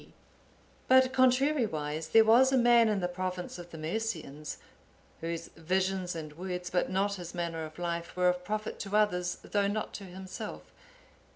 D.] But contrarywise there was a man in the province of the Mercians, whose visions and words, but not his manner of life, were of profit to others, though not to himself.